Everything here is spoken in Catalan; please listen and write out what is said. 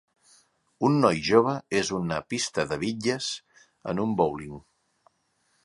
un noi jove és una pista de bitlles en un bowling.